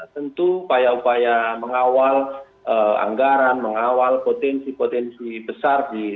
tentu upaya upaya mengawal anggaran mengawal potensi potensi besar di kota papua